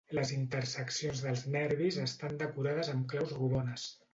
Les interseccions dels nervis estan decorades amb claus rodones.